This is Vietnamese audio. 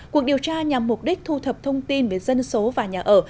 cuộc điều tra nhằm mục đích thu thập thông tin về dân số và nhà ở